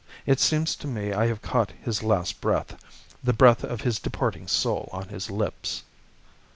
It seems to me I have caught his last breath the breath of his departing soul on his lips.